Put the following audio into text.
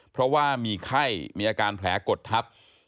เพราะว่ามีไข้มีอาการแผลกดทับ